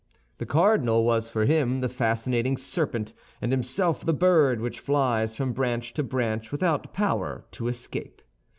The cardinal was for him the fascinating serpent, and himself the bird which flies from branch to branch without power to escape.